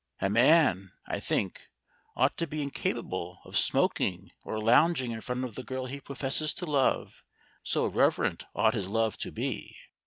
A man, I think, ought to be incapable of smoking or lounging in front of the girl he professes to love, so reverent ought his love to be.